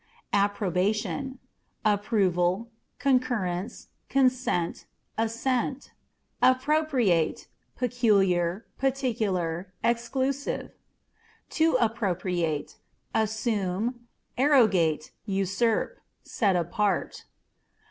Approbation â€" approval, concurrence, consent, assent. Appropriate â€" peculiar, particular, exclusive. To Appropriate â€" assume, arrogate, usurp ; set apart.